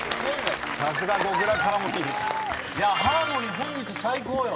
ハーモニー本日最高よ。